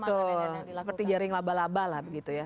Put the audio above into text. betul seperti jaring laba laba lah begitu ya